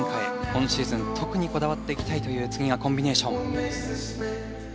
今シーズン特にこだわっていきたいというコンビネーション。